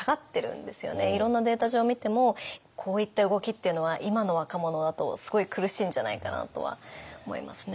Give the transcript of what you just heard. いろんなデータ上見てもこういった動きっていうのは今の若者だとすごい苦しいんじゃないかなとは思いますね。